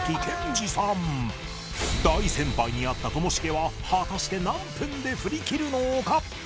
大先輩に会ったともしげは果たして何分で振りきるのか？